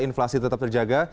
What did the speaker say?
inflasi tetap terjaga